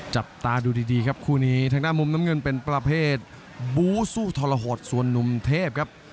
จับตาดูดีครับคู่นี้ทางด้านมุมน้ำเงินเป็นประเภทบูสู้ทรหดส่วนนุ่มเทพครับ